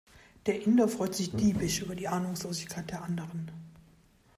Der Inder freut sich diebisch über die Ahnungslosigkeit der anderen.